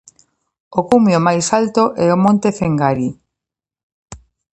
O cumio máis alto é o monte Fengari.